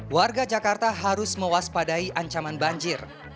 warga jakarta harus mewaspadai ancaman banjir